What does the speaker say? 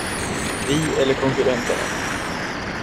Vi eller konkurrenterna.